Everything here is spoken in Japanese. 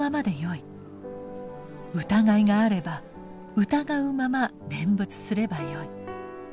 疑いがあれば疑うまま念仏すればよい。